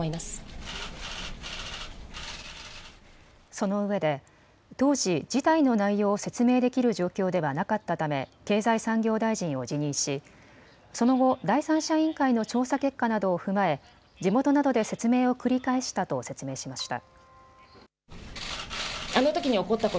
そのうえで当時、事態の内容を説明できる状況ではなかったため経済産業大臣を辞任しその後、第三者委員会の調査結果などを踏まえ地元などで説明を繰り返したと説明しました。